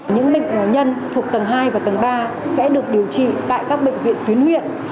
những bệnh nhân thuộc tầng hai và tầng ba sẽ được điều trị tại các bệnh viện tuyến huyện